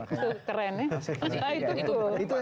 itu keren ya